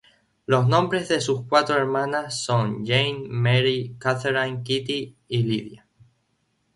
Los nombres de sus cuatro hermanas son Jane, Mary, Catherine "Kitty" y Lydia.